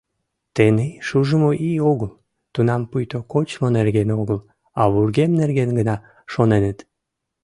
Тений шужымо ий огыл, — тунам пуйто кочмо нерген огыл, а вургем нерген гына шоненыт.